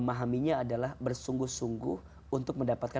oh jangan takut